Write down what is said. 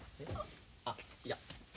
あっいや。